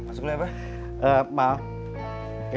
masuklah ya pak